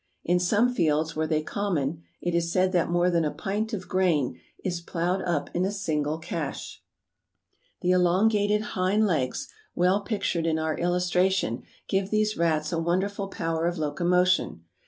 In some fields where they are common it is said that more than a pint of grain is ploughed up in a single cache. The elongated hind legs, well pictured in our illustration, give these rats a wonderful power of locomotion.